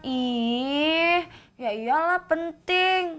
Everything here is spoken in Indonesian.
ih ya iyalah penting